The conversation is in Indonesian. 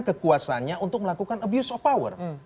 kekuasaannya untuk melakukan abuse of power